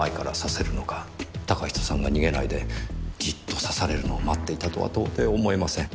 嵩人さんが逃げないでジッと刺されるのを待っていたとは到底思えません。